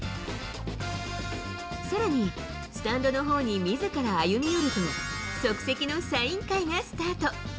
さらに、スタンドのほうにみずから歩み寄ると、即席のサイン会がスタート。